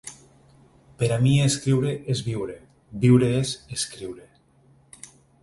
“Per a mi escriure és viure, viure és escriure”.